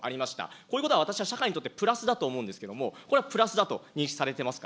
こういうことは私は社会にとってプラスだと思うんですけれども、これはプラスだと認識されていますか。